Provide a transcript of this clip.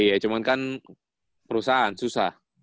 iya cuman kan perusahaan susah